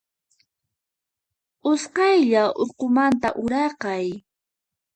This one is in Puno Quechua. Usqaylla urqumanta uraqay.